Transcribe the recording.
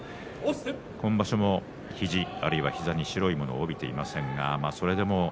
今場所も膝に白いものを帯びていません。